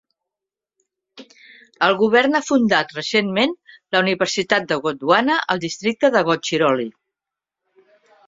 El govern ha fundat recentment la Universitat de Gondwana al districte de Gadhchiroli.